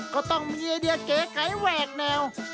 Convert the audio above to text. ก็ต้องมีไอเดียเก๋ไก่แหวกแนว